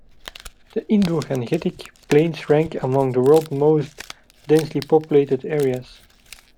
The Indo-Gangetic plains rank among the world's most densely populated areas.